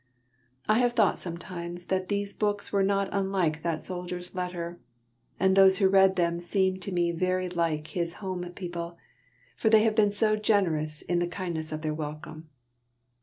_ _I have thought sometimes that these books were not unlike that soldier's letter; and those who read them seem to me very like his home people, for they have been so generous in the kindness of their welcome.